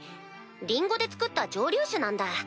リンゴで造った蒸留酒なんだ。